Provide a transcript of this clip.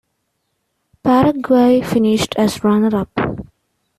Paraguay finished as runner-up.